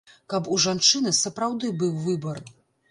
Каб у жанчыны сапраўды быў выбар.